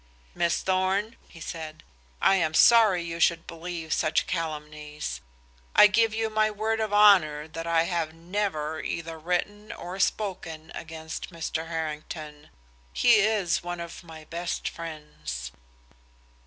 "Miss Thorn," he said, "I am sorry you should believe such calumnies. I give you my word of honor that I have never either written or spoken against Mr. Harrington. He is one of my best friends."